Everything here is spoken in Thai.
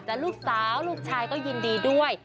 แต่ลูกสาวลูกชายก็ยินดีด้วย